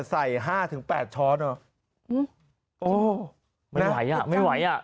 ใส่ห้าถึงแต่ช้อนไม่ไหวอะไม่ไหวอะ